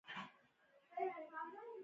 هغه د کارپوه په توګه دنده ترسره کوي.